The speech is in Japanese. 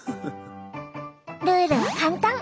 ルールは簡単！